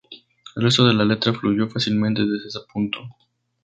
El resto de la letra fluyó fácilmente desde ese punto.